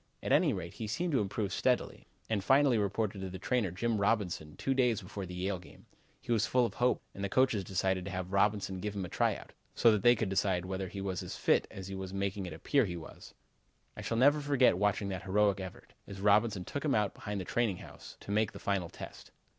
At any rate, he seemed to improve steadily, and finally reported to the trainer, Jim Robinson, two days before the Yale game. He was full of hope and the coaches decided to have Robinson give him a try out, so that they could decide whether he was as fit as he was making it appear he was. I shall never forget watching that heroic effort, as Robinson took him out behind the training house, to make the final test.